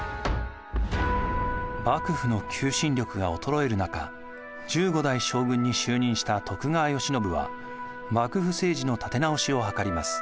幕府の求心力が衰える中１５代将軍に就任した徳川慶喜は幕府政治の立て直しを図ります。